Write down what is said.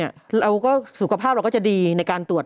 แล้วสุขภาพก็จะดีในการตรวจ